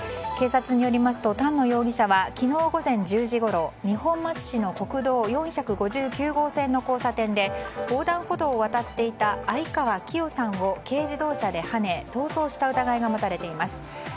警察によりますと丹野容疑者は昨日午前１０時ごろ二本松市の国道４５９号線の交差点で横断歩道を渡っていた相川キヨさんを軽自動車ではね逃走した疑いが持たれています。